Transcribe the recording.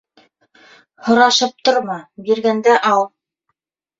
- Һорашып торма, биргәндә ал.